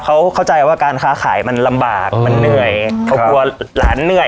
เขาเข้าใจว่าการค้าขายมันลำบากมันเหนื่อยเขากลัวหลานเหนื่อย